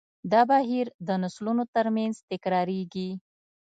دا بهیر د نسلونو تر منځ تکراریږي.